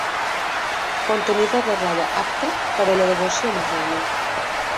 Contenidor de roba apta per a la devoció mariana.